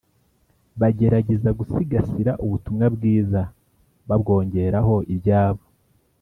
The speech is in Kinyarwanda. bagerageza gusigasira Ubutumwa Bwiza babwongeraho ibyabo.